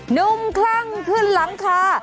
หนุ่มคลั่งขึ้นหลังคา